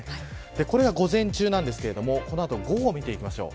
これが午前中なんですけど午後を見ていきましょう。